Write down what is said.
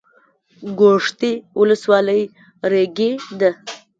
ګوشتې ولسوالۍ ریګي ده؟